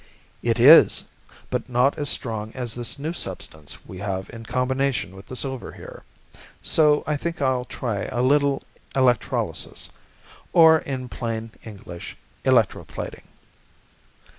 "It is, but not as strong as this new substance we have in combination with the silver here. So I think I'll try a little electrolysis or, in plain English, electro plating."